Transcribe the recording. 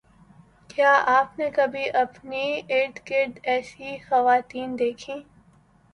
کیا آپ نے کبھی اپنی اررگرد ایسی خواتین دیکھیں